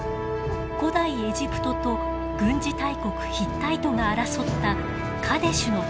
古代エジプトと軍事大国ヒッタイトが争ったカデシュの戦いです。